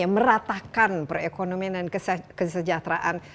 meratakan perekonomian dan kesejahteraan